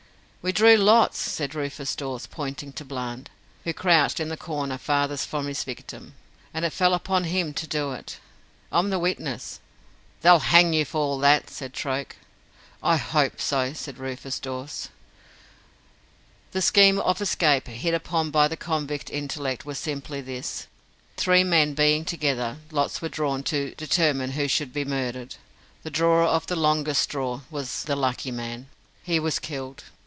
"We drew lots," said Rufus Dawes, pointing to Bland, who crouched in the corner farthest from his victim, "and it fell upon him to do it. I'm the witness." "They'll hang you for all that," said Troke. "I hope so," said Rufus Dawes. The scheme of escape hit upon by the convict intellect was simply this. Three men being together, lots were drawn to determine whom should be murdered. The drawer of the longest straw was the "lucky" man. He was killed.